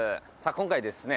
今回ですね